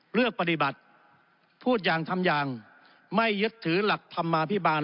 เลือกปฏิบัติพูดอย่างทำอย่างไม่ยึดถือหลักธรรมาภิบาล